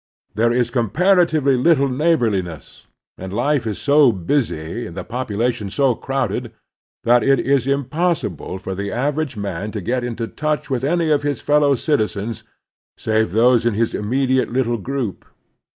Ther ; is comparatively little neighborliness, and life is so busy and the popula tion so crowded that it is impossible for the average man to get into touch with any of his fellow citizens save those in his immediate little group.